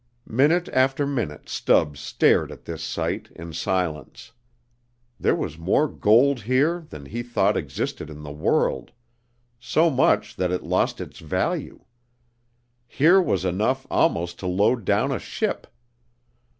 Minute after minute Stubbs stared at this sight in silence. There was more gold here than he thought existed in the world, so much that it lost its value. Here was enough almost to load down a ship.